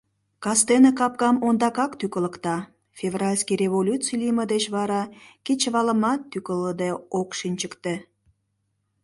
Кастене капкам ондакак тӱкылыкта, февральский революций лийме деч вара кечывалымат тӱкылыде ок шинчыкте.